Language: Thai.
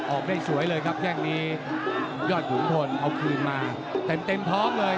ออกได้สวยเลยครับแค่งนี้ยอดขุนพลเอาคืนมาเต็มเต็มพร้อมเลย